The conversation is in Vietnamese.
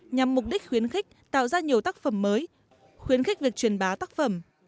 nhằm mục đích khuyến khích tạo ra nhiều tác phẩm mới khuyến khích việc truyền bá tác phẩm